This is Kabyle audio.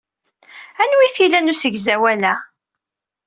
Anwa ay t-ilan usegzawal-a?